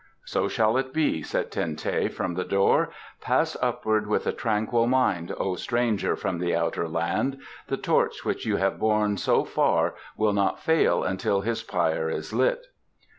"So shall it be," said Ten Teh from the door. "Pass Upward with a tranquil mind, O stranger from the outer land. The torch which you have borne so far will not fail until his pyre is lit."